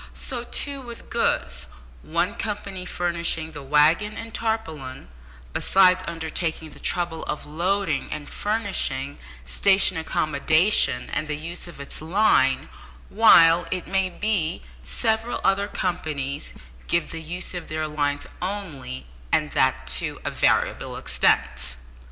So, too, with goods one company furnishing the waggon and tarpaulin, besides undertaking the trouble of loading and furnishing station accommodation and the use of its line, while, it may be, several other companies give the use of their lines only, and that to a variable extent.